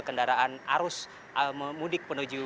kondisi volume dan detail saya sudah beritahu di video sebelumnya